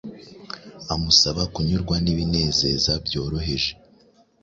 amusaba kunyurwa nibinezeza byoroheje